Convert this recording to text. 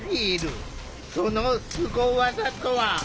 そのスゴ技とは？